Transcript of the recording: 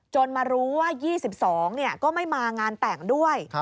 มารู้ว่า๒๒ก็ไม่มางานแต่งด้วย